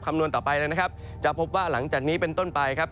นวณต่อไปนะครับจะพบว่าหลังจากนี้เป็นต้นไปครับ